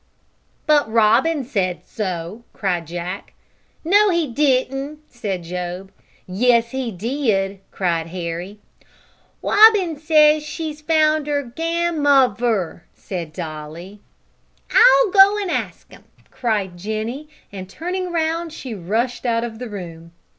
"But Robin said so," cried Jack. "No, he didn't," said Job. "Yes, he did," cried Harry. "Robin said she's found 'er gan muver," said Dolly. "I'll go an' ask him," cried Jenny, and turning round, she rushed out of the room.